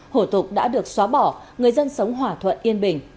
hủ tục đã được xóa bỏ người dân sống hỏa thuận yên bình